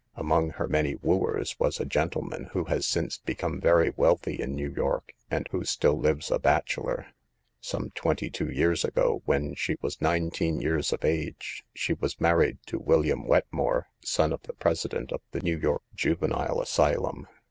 Among her many wooers was a gentleman who has since become very wealthy in New York, and who still lives a bachelor. Some twenty two years ago, when she was nineteen years of age, she was married to William Wetmore, son of the president of the New York Juvenile Asylum.